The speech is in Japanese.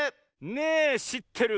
「ねぇしってる？」